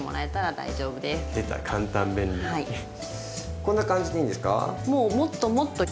こんな感じでいいんですか？